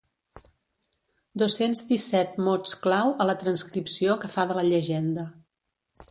Dos-cents disset mots clau a la transcripció que fa de la llegenda.